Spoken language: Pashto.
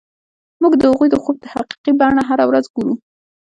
موږ د هغوی د خوب حقیقي بڼه هره ورځ ګورو